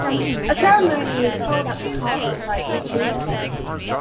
A ceremony is held at the castle site each Easter.